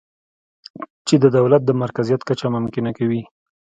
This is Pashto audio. چې د دولت د مرکزیت کچه ممکنه کوي